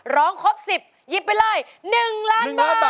ร้องครบ๑๐หยิบไปเลย๑ล้านบาท